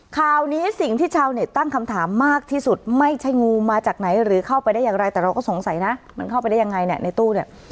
คราวนี้สิ่งที่ชาวเน็ตตั้งคำถามมากที่สุดไม่ใช่งูมาจากไหนหรือเข้าไปได้อย่างไรแต่เราก็สงสัยนะมันเข้าไปได้ยังไงเนี่ยในตู้เนี่ย